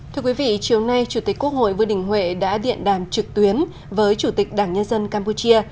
thưa quý vị chiều nay chủ tịch quốc hội vương đình huệ đã điện đàm trực tuyến với chủ tịch đảng nhân dân campuchia